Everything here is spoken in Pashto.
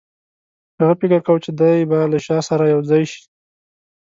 هغه فکر کاوه چې دی به له شاه سره یو ځای شي.